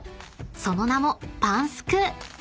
その名もパンスク］